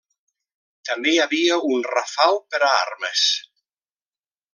També hi havia un rafal per a armes.